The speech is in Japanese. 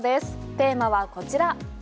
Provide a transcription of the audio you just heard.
テーマはこちら。